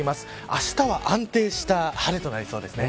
あしたは安定した晴れとなりそうです。